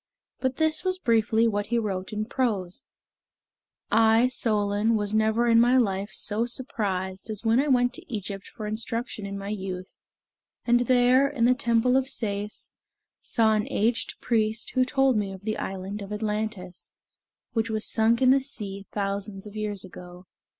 But this was briefly what he wrote in prose: "I, Solon, was never in my life so surprised as when I went to Egypt for instruction in my youth, and there, in the temple of Sais, saw an aged priest who told me of the island of Atlantis, which was sunk in the sea thousands of years ago.